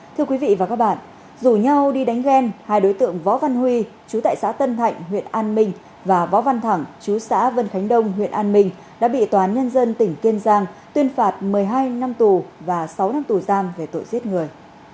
thưa quý vị và các bạn rủ nhau đi đánh ghen hai đối tượng võ văn huy chú tại xã tân thạnh huyện an minh và võ văn thẳng chú xã vân khánh đông huyện an minh đã bị toán nhân dân tỉnh kiên giang tuyên phạt một mươi hai năm tù và sáu năm tù giam về tội giết người